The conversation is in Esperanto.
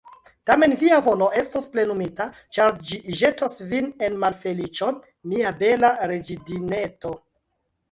Tamen via volo estos plenumita, ĉar ĝi ĵetos vin en malfeliĉon, mia bela reĝidineto.